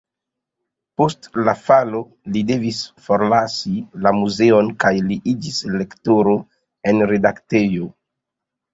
Post la falo li devis forlasi la muzeon kaj li iĝis lektoro en redaktejo.